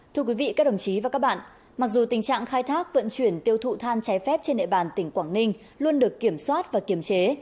thưa quý vị các đồng chí và các bạn mặc dù tình trạng khai thác vận chuyển tiêu thụ than trái phép trên địa bàn tỉnh quảng ninh luôn được kiểm soát và kiểm chế